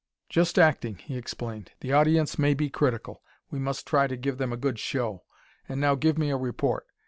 "Just acting," he explained. "The audience may be critical; we must try to give them a good show! And now give me a report.